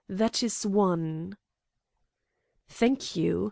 That is one." "Thank you.